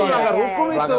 agak hukum itu